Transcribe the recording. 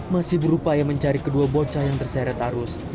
masih berupaya mencari kedua bocah yang terseret arus